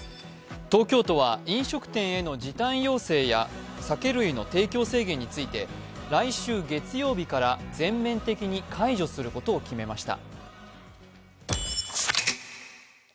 東京都は飲食店への時短要請や酒類の提供制限について来週月曜日から全面的に解除することを決めました。